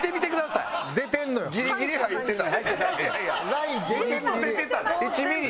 ライン出てる。